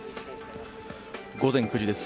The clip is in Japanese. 午前９時です。